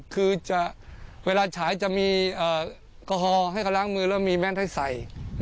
คือเวลาฉายจะมีแอลกอฮอล์ให้เขาล้างมือแล้วมีแม่นให้ใส่